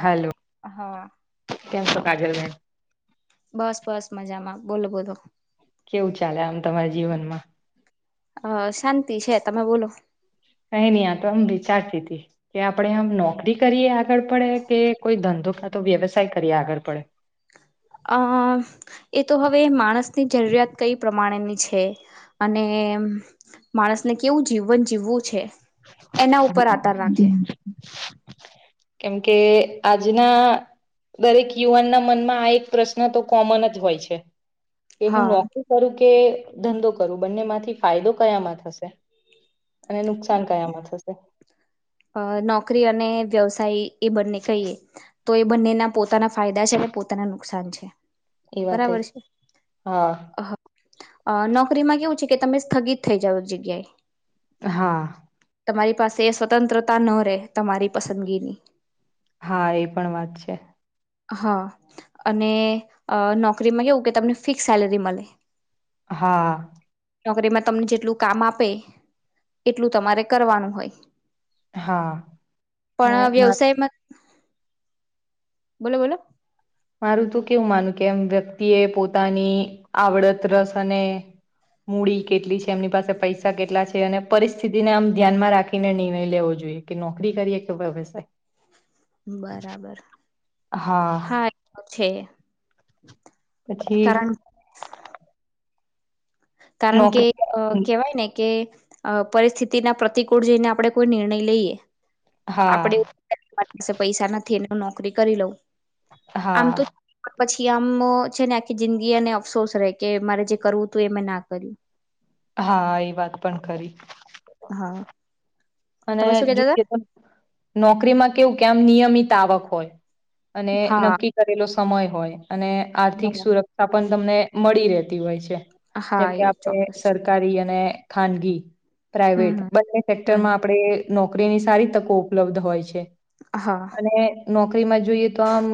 Hello હા કેમ છો કાજલ બેન. બસ બસ મજામાં બોલો બોલો. કેવું ચાલે આમ તમારા જીવનમાં. અ શાંતિ છે તમે બોલો. કઈ નહી આ તો એમ વિચારતી હતી કે આપડે આમ નોકરી કરીએ આગળ પડે કે કોઈ ધંધો કા તો વ્યવસાય કરીએ આગળ પડે. અ એ તો હવે માણસની જરૂરિયાત કઈ પ્રમાણેની છે અને એમ માણસને કેવું જીવન જીવવું છે. એના ઉપર આધાર રાખે [inaudible] કેમ કે આજના દરેક યુવાનના મનમાં આ એક પ્રશ્ન તો કોમન જ હોય છે. કે હું હા નોકરી કરું કે કે ધંધો કરુ બંને માંથી ફાયદો કયામાં થશે અને નુકસાન કયામાં થશે. અ નોકરી અને વ્યવસાય એ બંને કહીએ તો એ બંનેના પોતાના ફાયદા છે. પોતાને નુકસાન છે એ વાત એ બરાબર છે. હા અ નોકરીમાં કેવું છે કે તમે સ્થગિત થઇ જાવ જગ્યાએ. હા. તમારી પાસે એ સ્વતંત્રતા ન રહેે તમારી પસંદગીની હા એ પણ વાત છે. હા અને નોકરીમાં કેવું કે તમને ફિક્સ સેલેરી મળે. હા. નોકરીમાં તમને જેટલું કામ આપે એટલું તમારે કરવાનું હોય. હા ને પણ વ્યવસાયમાં બોલો બોલો. મારું તો કેવું માનું કે એમ વ્યક્તિ એ પોતાની આવડત રસ અને મૂડી કેટલી છે એમની પાસે પૈસા કેટલા છે અને પરિસ્થિતિને આમ ધ્યાનમાં રાખીને નિર્ણય લેવો જોઈએ કે નોકરી કરીએ કે વ્યવસાય. બરાબર હા. છે. પછી. કારણ કારણ કે અ નોકરી કેહેવાય ને કે અ પરિસ્થિતિના પ્રતિકૂળ જઈને આપણે કોઈ નિર્ણય લઈએ હા આપડે [inaudible] પૈસા નથી એને હું નોકરી કરી લઉં. આમ હા. તો પછી આમ અ છે ને આખી જિંદગીને અફસોસ રેય કે મારે જે કરવું હતું એ મેં ના કર્યું. હા, એ વાત પણ ખરી. હાં. અને જો કે તમ નોકરીમાં કેવું કે આમ નિયમિત આવક હોય. અને હતા નક્કી કરેલો સમય હોય અને આર્થિક હા સુરક્ષા પણ તમને મડી રે. તી હોય છે હા જેમકે એ આપણે ચોક્કસ છે સરકારી અને ખાનગી હમ પ્રાઈવેટ હમ બંને હમ સેક્ટરમાં એ નોકરીની સારી તકો ઉપલબ્ધ હોય છે. હા અને નોકરીમાં જોઈએ તો આમ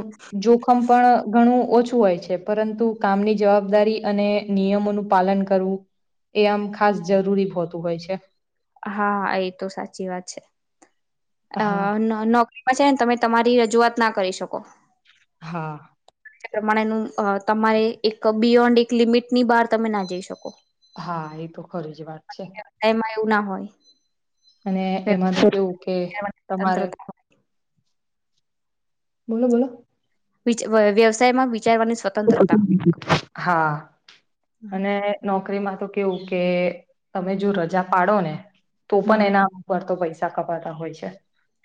જોખમ પણ ઘણું ઓછું હોય છે પરંતુ કામની જવાબદારી અને નિયમોનું પાલન કરવું એ આમ ખાસ જરૂરી ફોતું હોય છે. હા, એ તો સાચી વાત છે અ હા ન નો પછી હે ને તમે તમારી રજૂઆત ના કરી શકો. હા. એ પ્રમાણેનું અ તમારે એક બિયોન્ડિક લિમિટની બહાર તમે ના જઈ શકો. હા, એ તો ખરી જ વાત છે. એમાં [inaudible] અને એમાં ધરોકે વ્યવસાયમાં તમારે સ્વતંત્રતા હોય. બોલો બોલો. વિચ વ વ્યવસાયમાં વી હા, અને નોકરીમાં તો કેવું કે તમે જો રજા પાડો ને તો પણ હમ એના ઉપર તો પયસા તા કાપાતા હોય છે.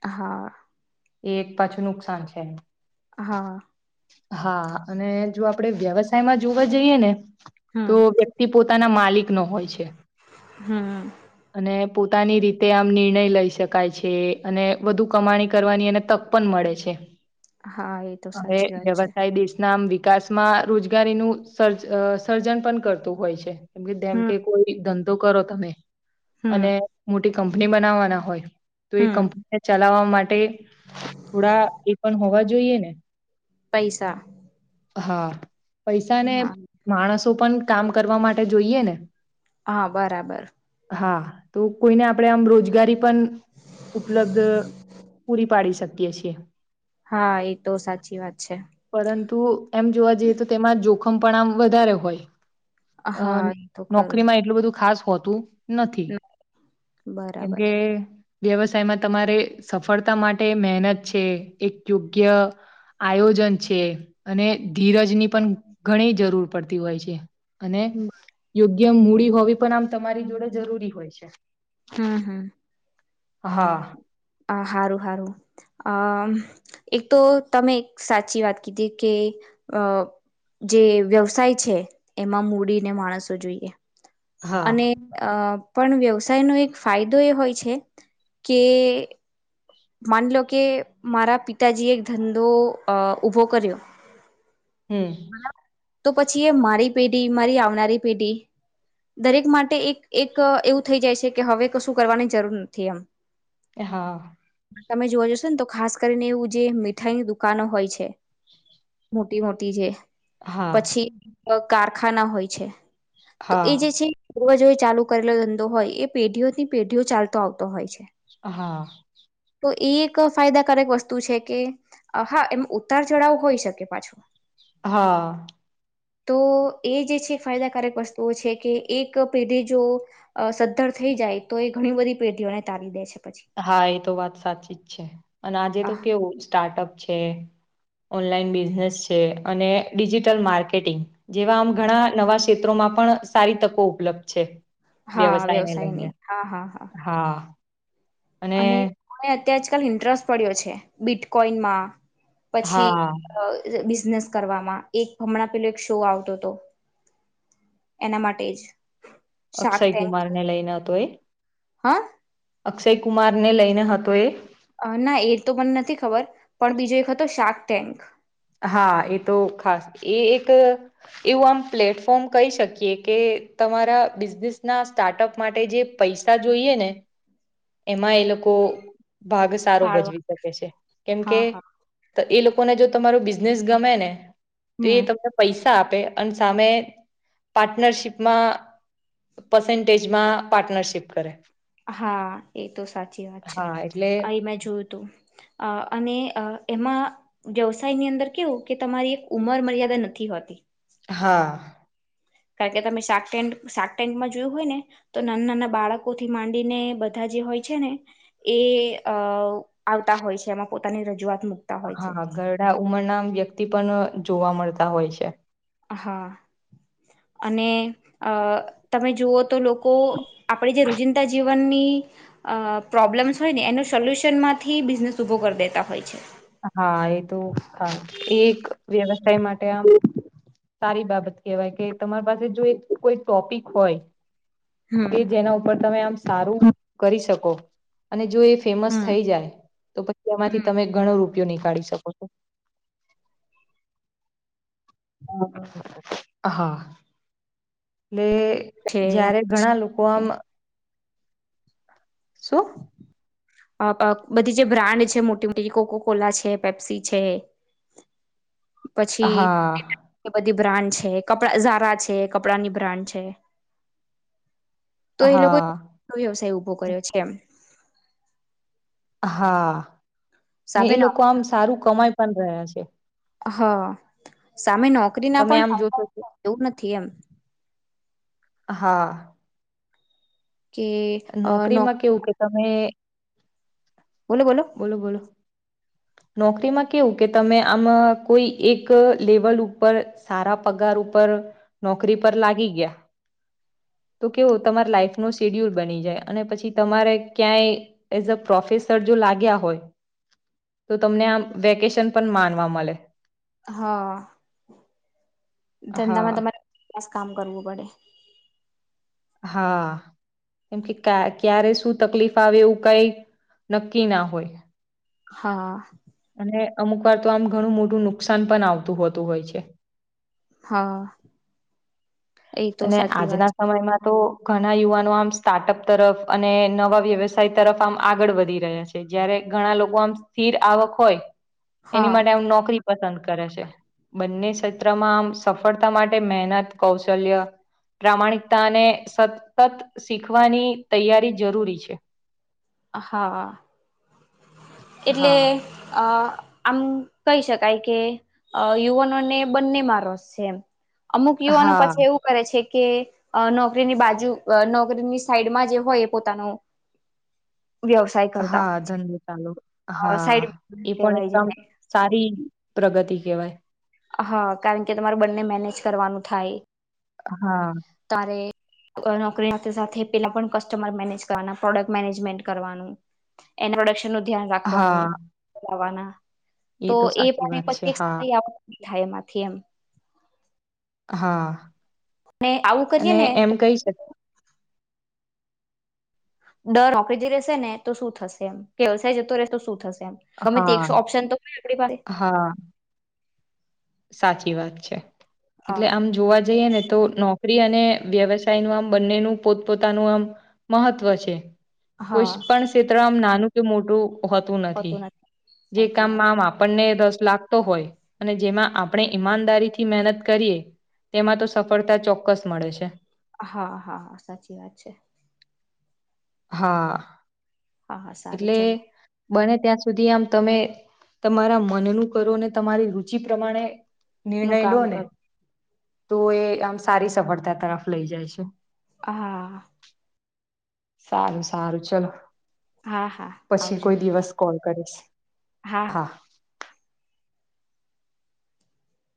હા. એ એક પાછું નુકસાન છે. હા. હા, અને જો આપડે વ્યવસાયમાં જોવા જઈએ ને હમ તો વ્યક્તિ પોતાના માલિક નો હોય છે હમ અને પોતાની રીતે આમ નિર્ણય લઈ શકાય છે અને વધુ કમાણી કરવાની એને તક પણ મળે છે. હા, એ તો સાચી વાત છે. નામ વિકાસમાં રોજગારીનું સર્જ અ સર્જન પણ કરતું હોય છે. કેમકે હમ જેમકે કોઈ ધંધો કરો તમે અને હમ મોટી કંપની બનાવવાના હોય તો એ હમ કંપની ને ચલાવવા માટે થોડા એ પણ હોવા જોઈએ ને. પૈસા હા, પયસા ને હા માણસો પણ કામ કરવા માટે જોઈએ ને. હા, બરાબર. હા, તો કોઈને આપડે આમ રોજગારી પણ ઉપલબ્ધ પૂરી પાડી શકીએ છીએ. હા, એ તો સાચી વાત છે. પરંતુ એમ જોવા જઈએ તો તેમાં જોખમ પણ આમ વધારે હોય. અ હા એ તો ખરું નોકરીમાં એટલું બધું ખાસ હોતું નથી બરાબર કેમકે વ્યવસાયમાં તમારે સફળતા માટે મહેનત છે એક યોગ્ય આયોજન છે. ટે અને ધીરજ ની પણ ઘણી જરૂર પડતી હોય છે. અને હમ યોગ્ય મૂડી હોવી પણ આમ તમારી જોડે જરૂરી હોય છે. હાં હાં. હા. અ હારું હારું અ એક તો તમે એક સાચી વાત કીધી કે અ જે વ્યવસાય છે એમાં મૂડીને માણસો જોઈએ. હા અને અ પણ વ્યવસાયનો એક ફાયદો એ હોય છે. [inaudible] માન લો કે મારા પિતાજીએ એક ધંધો ઉઊભો કર્યો. [inaudible] તો પછી એ મારી પેઢી મારી આવનારી પેઢી દરેક માટે એક એક એવું થઈ જાય છે કે હવે કશું કરવાની જરૂર નથી એમ. [inaudible] તમે જોવા જશો ને તો ખાસ કરીને એવું જે મીઠાઈની દુકાનો હોય છે. મોટી મોટી છે હા પછી કારખાના હોય છે તો હા એ જે છે. જોવા જોઈ ચાલુ કરેલો ધંધો હોય એ પેઢીઓ ની પેઢીઓ ચાલતો આવતો હોય છે. [inaudible] તો એ એક ફાયદાકારક વસ્તુ છે કે હા એમ ઉતાર ચઢાવ હોઈ શકે પાછો. [inaudible] તો એ જે છે ફાયદાકારક વસ્તુઓ છે કે એક પેઢી જો સદ્ધર થઈ જાય તો એ ઘણી બધી પેઢીઓને તારી દે છે. પછી હા એ તો વાત સાચી જ છે અને આજે તો આહ કેવું સ્ટાર્ટઅપ છે. ઓનલાન બિઝનેસ છે અને ડિજિટલ માર્કેટિંગ જેવા આમ ઘણા નવા ક્ષેત્રોમાં પણ સારી તકો ઉપલબ્ધ છે. હા વ્યવસાય ને લઈને વ્યવસાયની હા હા હા. અને મને અત્યારે આજકાલ ઇન્ટરેસ્ટ પડ્યો છે બિટકોઈન માં પછી. હા બિ કરવામાં એક હમણાં પેલો એક શો આવતો હતો એના માટે જ શાર્ક અક્ષય ટેન્ક કુમાર ને લઈને હતો એ. [inaudible] અક્ષય કુમાર ને લઈને હતો એ. ના એ તો મને નથી ખબર પણ બીજો એક હતો શાક ટેન્ક હા એ તો ખાસ એ એક એવું આમ પ્લેટફોર્મ કહી શકીએ કે તમા બિને ના સ્ટાર્ટઅપ માટે જે પૈસા જોઈએ ને એ લોકો ભાગ સારો ફાળવા ભજવી શકે છે કેમકે હા હા એ લોકોને જો. તમા બિઝનેસ ગમે ને તો એ હમ તને પૈસા- આપે અને સામે પાર્ટનરશીપમાં પર્સેન્ટેજમાં પાર્ટનરશીપ કરે. હા એ તો સાચી વાત છે હા એટલે અ મેં જોયું તું. અ અને એમાં વ્યવસાયની અંદર કેવું કે તમારી એક ઉમર મર્યાદા નથી હોતી [inaudible] કારણ કે તમે શાકટે શાક ટેકમાં જોયું હોય ને તો નાના નાના બાળકો થી માંડીને બધા જ હોય છે ને એ આવતા હોય છે એમાં પોતાની રજઆત હા ઘરડા ઉમર ના વ્યક્તિ પણ જોવા મળતા હોય છે. હા અને અ તમે જુઓ તો લોકો. આપણે જે રુજિંદતા જીવ જીનની પ્રોબ્લેમ્સ હોય ને એનો સોલ્યુશન માંથી બિઝનેસ ઊભો કરી દેતા હોય છે. હા એ તો હા એક એક વ્યવસાય માટે આમ સારી બાબત કેવાય કે તમારી પાસે જો એક કોઈ ટોપિક હોય હમ કે જેના ઉપર તમે આમ સારું કરી શકો અને જો એ ફેમસ હમ થઈ જાય તો પછી એમાંથી હમ તમે ગણો રૂપ નની કાઢી શકો છો. [inaudible] એટલે છે જારે ઘણા લોકો પછી આમ [inaudible] [unintelligible] બધી જે બ્રાન્ડ છે મોટી [unintelligible] કોકોકોલા છે, પેપ્સી છે. [inaudible] પછી હા બધીબ બ્રાન્ડ છે, કપડા ઝારા છે, કપડાની બ્રાન્ડ છે. તો ઇ હા લોકોએ [inaudible] ઉભો કર્યો છે કેમ હા ને સામે ઈ નો લોકો આમ સારું કમાઈ પણ રહ્યા છે. હા, સામે નોકરી ના તમે આમ જોશો કે પણ [unintelligible] નથી એમ. હા કે નો નોકરીમાં કેવું કે તમે બોલો બોલો. નોકરીમાં કેવું કે તમે આમા, કોઈ એક લેવલ ઉપર, સારા પગાર ઉપર નોકરી પર લાગી ગયા, તો કેવુ, તમાર લાઈફ નુ શિડયુલ અની જાય, અને પછી તમારે ક્યાંય, એઝ અ પ્રોફેસર જો લાગ્યા હોય તો તમને આમ, વેકેશન પણ માનવા મળે. અહા હા ધંધામાં તમારે [inaudible] કામ કરવું પડે. હા કેમ કે કા ક્યારે શું તકલીફ આવે એવું કાઈ, નક્કી ના હોય. હા અને, અમુક વાર તો આમ ઘણું મોટું નુકસાન પણ આવતું હોતું હોય છે. હા એ તો અને સાચી વાત આજના છે સમયમાં તો, ઘના યુવાનો આમ સ્ટાર્ટઅપ તરફ અને નવા વ્યવસાય તરફ આમ આગળ વધી રહ્યા છે. જયારે, ઘણા લોકો આમ સ્થિર આવક હોય, એની હા માટે આમ નોકરી પસંદ કરે છે, બંને ક્ષેત્રમાં આમ સફળતા માટે મહેનત કૌશલ્ય પ્રામાણિકતા અને, સતત શીખવાની તૈયારી જરૂરી છે. અહા. હા એટલે અ આમ, કહી શકાય કે, અ યુવાનોને બંને માં રસ છે એમ. અમુક યુવાનો હા પછી એવું કરે છે કે, અ નોકરીની બાજુ, નોકરીની સાઈડમાં જે હોય એ પોતાનો [inaudible] વ્યવસાય કરતા હા [inaudible] છે. [unintelligible] અ હા, સાઈડ બિઝનેસ એ પણ કહેવાય એકદમ, જેને સારી, પ્રગતિ કેવાય. હા, કારણ કે તમારે બંને મેનેજ કરવાનું થાય, હા તારે [unintelligible] સાથે સાથે પેલા પણ કસ્ટમર મેનેજ કરવાના, પ્રોડક્ટ મેનેજમેન્ટ કરવાનું. [unintelligible] નું ધ્યાન રાખવાનું. હા [unintelligible] તો એ પણ સાચી વાત [unintelligible] છે એક હા સારી [unintelligible] થાય એમાંથી એમ. હા, અને આવું કરીએ અને ને એમ કઈ શક ડર [unintelligible] જે રેશે ને તો શું થશે! એમ, [unintelligible] જતો રહેશે તો શું થશે! ગમે હા [unintelligible] ઓપ્શન તો [unintelligible] આપડી પાસે. હા સાચી વાત છે, એટલે હા આમ જોવા જઈએ ને તો નોકરી અને, વ્યવસાય નુ આમ બંનેનું પોતપોતાનું આમ, મહત્વ છે. કોઈસ હા પણ ક્ષેત્ર આમ નાનું કે મોટું હોતું નથી, જે કામ આમ આપણને રસ લાગતો હોય, અને જેમાં આપણે ઈમાનદારી થી મહેનત કરીએ, એમાં તો સફળતા ચોક્કસ મળે છે. અ હા હા સાચી વાત છે. હા. હા હા સારું એટલે ચલો. બને ત્યાં સુધી આમ તમે, તમારા મનનું કરો ને તમારી રુચિ પ્રમાણે નું નિર્ણય લો કામ ને, કર તો એ આમ સારી સફળતા તરફ લઈ જાય છે. હા સારું સારું ચલો હા હા પછી આવજો કોઈ દિવસ કોલ કરીશ હા